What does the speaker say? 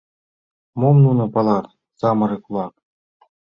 Мом нуно палат, самырык-влак?